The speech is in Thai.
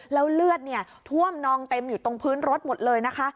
แล้วเลือดท่วมนองเต็มอยู่ตรงพื้นรถหมดเลยนะคะ